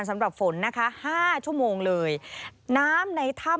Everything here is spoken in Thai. สวัสดีค่ะสวัสดีค่ะ